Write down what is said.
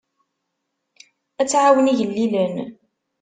Ad tɛawen igellilen.